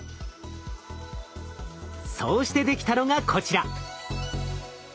そうして出来たのがこちら。